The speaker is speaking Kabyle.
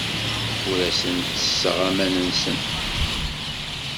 Ur asen-ttesseɣ aman-nsen.